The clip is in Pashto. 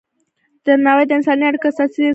درناوی د انساني اړیکو اساسي اصل دی.